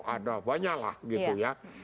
ada banyak lah gitu ya